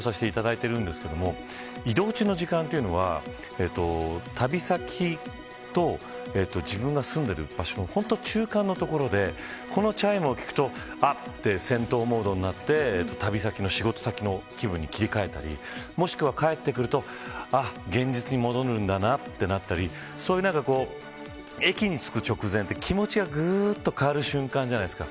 僕もよく仕事で利用させていただいてるんですけど移動中の時間というのは旅先と自分が住んでいる場所のちょうど中間の所でこのチャイムを聞くと戦闘モードになって、旅先の仕事先の気分に切り替えたりもしくは帰ってくると現実に戻るんだなとなったりそういう駅に着く直前って気持ちがぐっと変わる瞬間じゃないですか。